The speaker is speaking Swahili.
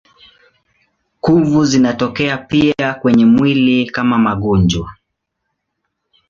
Kuvu zinatokea pia kwenye mwili kama magonjwa.